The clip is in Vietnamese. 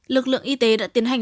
lực lượng y tế đã tiến hành